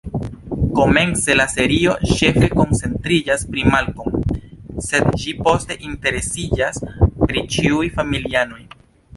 Komence, la serio ĉefe koncentriĝas pri Malcolm, sed ĝi poste interesiĝas pri ĉiuj familianoj.